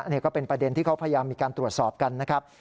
นี่ก็เป็นประเด็นที่เขาพยายามมีการตรวจสอบกันนะครับ